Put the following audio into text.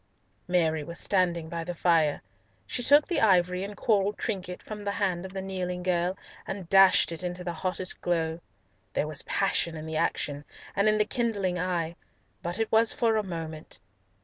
Mary was standing by the fire. She took the ivory and coral trinket from the hand of the kneeling girl, and dashed it into the hottest glow. There was passion in the action, and in the kindling eye, but it was but for a moment.